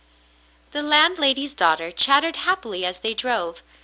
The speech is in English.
The landlady's daughter chattered happily as they drove.